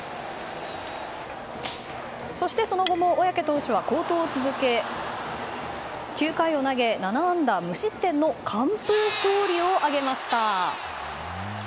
その後も、小宅投手は好投を続け９回を投げ７安打無失点の完封勝利を挙げました。